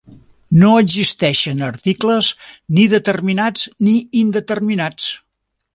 No existeixen articles, ni determinats ni indeterminats.